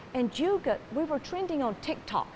kami juga berkumpul di tiktok